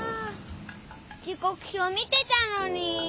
時こくひょう見てたのに。